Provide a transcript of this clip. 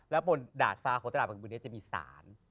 แล้วบนดาดฟ้าของตลาดบางบุญนี้จะมีสาร